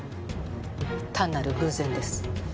単なる偶然です。